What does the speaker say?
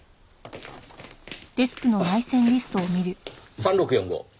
３６４５。